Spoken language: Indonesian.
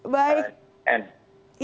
baik baik sehat